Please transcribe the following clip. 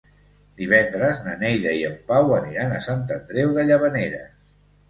Divendres na Neida i en Pau aniran a Sant Andreu de Llavaneres.